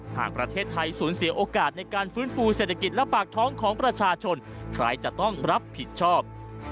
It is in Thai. หากประเทศไทยสูญเสียโอกาสในการฟื้นฟูเศรษฐกิจและปากท้องของประชาชนใครจะต้องรับผิดชอบ